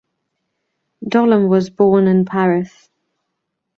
Dolhem was born in Paris.